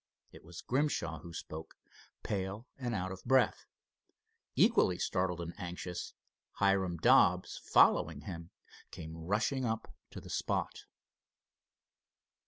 It was Grimshaw who spoke, pale and out of breath. Equally startled and anxious, Hiram Dobbs, following him, came rushing up to the spot.